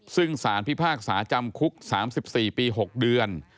ซึ่งสารพิพากษาจำคุก๓๔ปี๖เดือน